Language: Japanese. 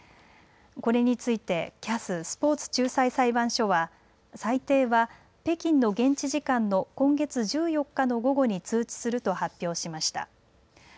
これについてＣＡＳ・スポーツ仲裁裁判所は裁定は北京の現地時間の今月１４日の午後に通知すると発表しました。